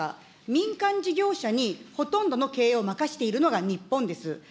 民間事業者にほとんどの経営を任しているのが日本です。